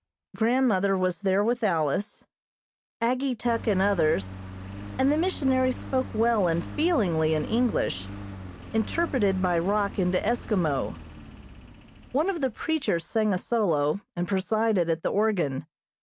Grandmother was there with Alice, Ageetuk and others, and the missionary spoke well and feelingly in English, interpreted by Rock into Eskimo. One of the preachers sang a solo, and presided at the organ.